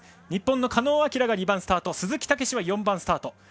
日本の狩野亮が２番スタート鈴木猛史は４番スタート。